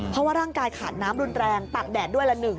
เพราะว่าร่างกายขาดน้ำรุนแรงตากแดดด้วยละหนึ่ง